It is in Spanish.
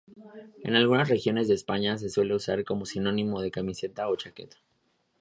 En algunas regiones de España se suele usar como sinónimo de camiseta o chaqueta.